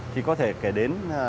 thì có thể kể đến